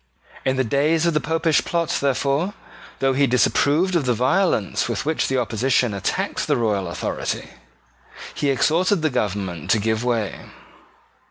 In the days of the Popish plot, therefore, though he disapproved of the violence with which the opposition attacked the royal authority, he exhorted the government to give way.